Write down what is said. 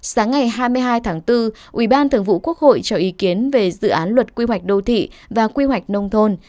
sáng ngày hai mươi hai tháng bốn ủy ban thường vụ quốc hội cho ý kiến về dự án luật quy hoạch đô thị và quy hoạch nông thôn